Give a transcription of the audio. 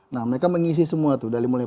nah mereka mengisi semua tuh dari mulai